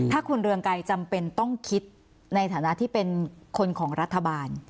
ถ้าคุณเรืองไกรจำเป็นต้องคิดในฐานะที่เป็นคนของรัฐบาล